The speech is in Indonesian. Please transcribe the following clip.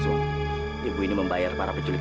sekarang di mana yasmin di sekap